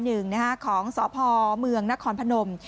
ในของศพเมืองนครพนม